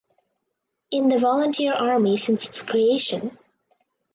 In the Volunteer Army since its creation.